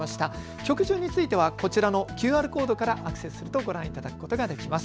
曲順についてはこちらのＱＲコードからアクセスするとご覧いただくことができます。